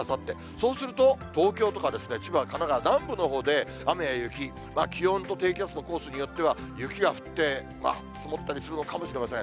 そうすると、東京とか千葉、神奈川、南部のほうで雨や雪、気温と低気圧のコースによっては雪が降って、積もったりするのかもしれません。